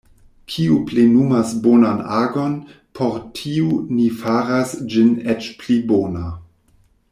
Kiu plenumas bonan agon, por tiu Ni faras ĝin eĉ pli bona.